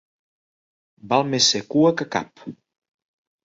Val més ser cua que cap.